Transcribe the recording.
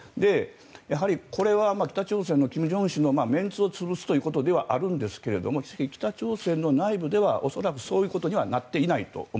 やはり、これは北朝鮮の金正恩氏のメンツを潰すということではあるんですが北朝鮮の内部では恐らくそういうことにはなっていないと。